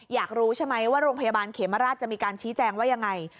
อยากรู้ใช่ไหมว่าโรงพยาบาลเขมราชจะมีการชี้แจงว่ายังไง